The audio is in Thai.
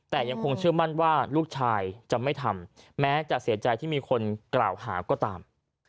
แต่ยังคงเชื่อมั่นว่าลูกชายจะไม่ทำแม้จะเสียใจที่มีคนกล่าวหาก็ตาม